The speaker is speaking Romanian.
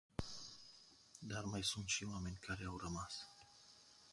Dar mai sunt și oameni care au rămas.